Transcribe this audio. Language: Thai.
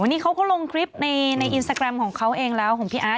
นี่เขาก็ลงคลิปในอินสตาแกรมของเขาเองแล้วของพี่อาร์ต